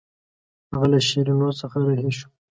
هغه له شیرینو څخه رهي شو.